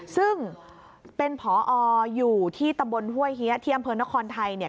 ซึ่งเป็นผออยู่ที่ตำบลห้วยเฮียที่อำเภอนครไทยเนี่ย